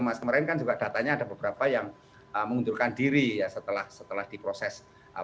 mas kemarin kan juga datanya ada beberapa yang mengundurkan diri ya setelah diproses